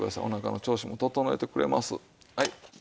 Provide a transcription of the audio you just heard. おなかの調子も整えてくれます。